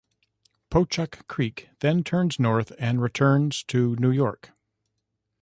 Pochuck Creek then turns north and returns to New York.